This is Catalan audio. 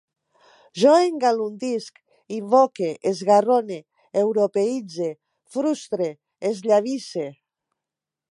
Jo engandulisc, invoque, esgarrone, europeïtze, frustre, esllavisse